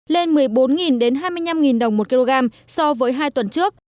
lên một mươi bốn hai mươi năm đồng một kg so với hai tuần trước